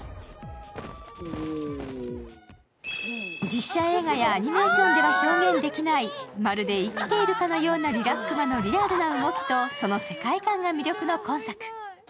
実写映画やアニメーションでは表現できないまるで生きているかのようなリラックマのリアルな動きとその世界観が魅力の今作。